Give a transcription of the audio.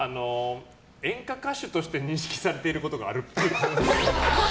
演歌歌手として認識されていることがあるっぽい。